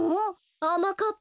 あまかっぱ